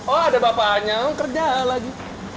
oh ada bapaknya kerja lagi